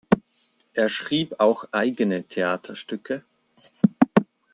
Er schrieb auch eigene Theaterstücke.